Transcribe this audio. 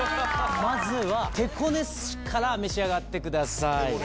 まずは手こね寿司から召し上がってください。